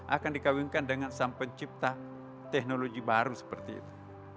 akan dikawinkan dengan sang pencipta teknologi baru seperti itu